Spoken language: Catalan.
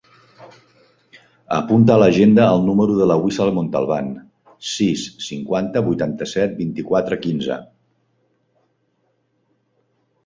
Apunta a l'agenda el número de la Wissal Montalban: sis, cinquanta, vuitanta-set, vint-i-quatre, quinze.